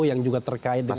yang juga terkait dengan